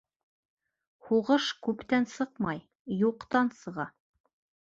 Һуғыш күптән сыҡмай, юҡтан сыға.